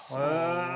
へえ。